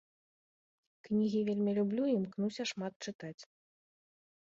Кнігі вельмі люблю і імкнуся шмат чытаць.